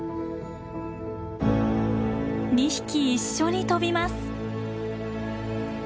２匹一緒に飛びます。